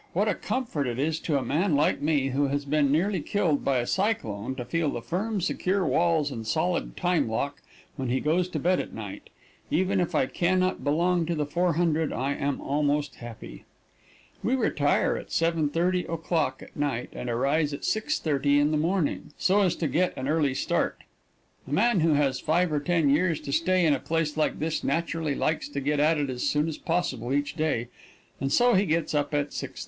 what a comfort it is to a man like me, who has been nearly killed by a cyclone, to feel the firm, secure walls and solid time lock when he goes to bed at night! Even if I can not belong to the 400, I am almost happy. We retire at 7:30 o'clock at night and arise at 6:30 in the morning, so as to get an early start. A man who has five or ten years to stay in a place like this naturally likes to get at it as soon as possible each day, and so he gets up at 6:30.